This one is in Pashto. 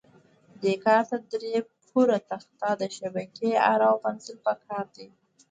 دې کار ته درې پوره تخته، د شبکې اره او پنسل په کار دي.